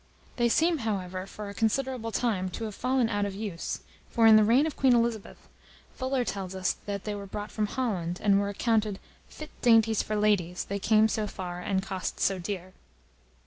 They seem, however, for a considerable time, to have fallen out of use; for, in the reign of Queen Elizabeth, Fuller tells us they were brought from Holland, and were accounted "fit dainties for ladies, they came so far and cost so dear."